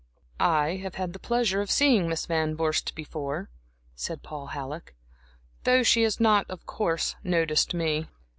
"I have had the pleasure of seeing Miss Van Vorst before," said Paul Halleck, "though she has not, of course, noticed me."